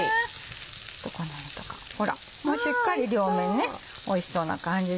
この辺とかほらもうしっかり両面おいしそうな感じで。